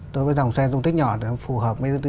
đối với dòng xe dùng thích nhỏ